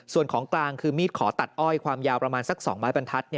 ส่วนของกลางคือมีดขอตัดอ้อยความยาวประมาณสัก๒ไม้บรรทัศน